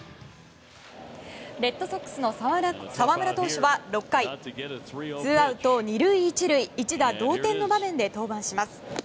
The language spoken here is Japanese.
レッドソックスの澤村投手は６回ツーアウト２塁１塁一打同点の場面で登板します。